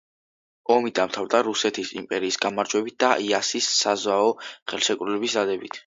ომი დამთავრდა რუსეთის იმპერიის გამარჯვებით და იასის საზავო ხელშეკრულების დადებით.